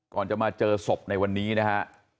ก่อนจะมาเจอศพในวันนี้นะฮะ